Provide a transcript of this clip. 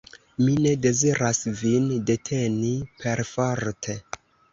Mi ne deziras vin deteni perforte!